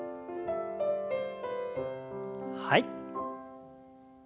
はい。